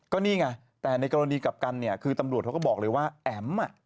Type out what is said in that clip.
ก็นี่ไงแต่ในกรณีกับกันเนี่ยคือตำรวจเขาก็บอกเลยว่าแอ๋มอ่ะ